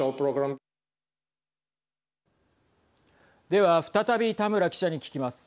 では再び田村記者に聞きます。